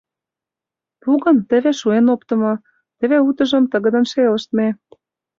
Пу гын, теве шуэн оптымо, теве утыжым тыгыдын шелыштме.